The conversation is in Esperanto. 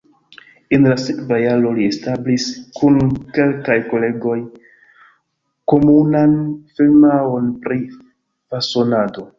En la sekva jaro li establis kun kelkaj kolegoj komunan firmaon pri fasonado.